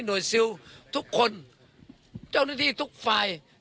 ซิลทุกคนเจ้าหน้าที่ทุกฝ่าย